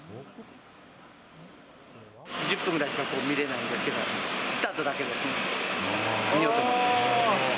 １０分くらいしか見れないんですけれども、スタートだけでも見ようと思って。